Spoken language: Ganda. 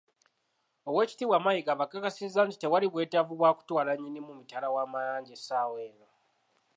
Oweekitibwa Mayiga abakakasizza nti tewali bwetaavu bwa kutwala Nnyinimu mitala w'amayanja essaawa eno